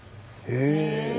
へえ。